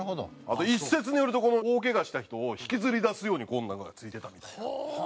あと一説によると大けがした人を引きずり出す用にこんなのがついてたみたいな。